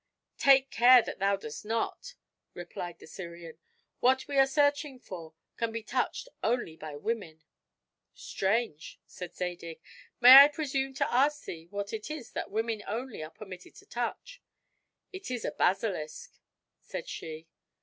"Take care that thou dost not," replied the Syrian; "what we are searching for can be touched only by women." "Strange," said Zadig, "may I presume to ask thee what it is that women only are permitted to touch?" "It is a basilisk," said she.